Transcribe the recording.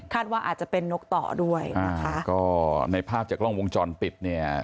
ว่าอาจจะเป็นนกต่อด้วยนะคะก็ในภาพจากกล้องวงจรปิดเนี่ย